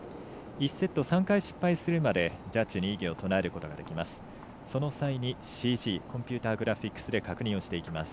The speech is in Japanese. １セット３回失敗するまでジャッジに異議を唱えることができます。